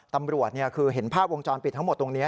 ตำรวจคือเห็นภาพวงจรปิดทั้งหมดตรงนี้